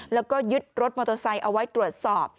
แล้วก็ยึดรถมอโตซัยเอาไว้ตรวจสอบ